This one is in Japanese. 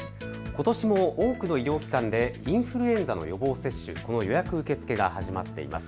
ことしも多くの医療機関でインフルエンザの予防接種予約受け付けが始まっています。